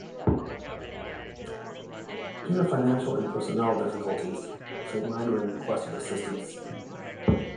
Due to financial and personnel difficulties, Saint Meinrad requested assistance.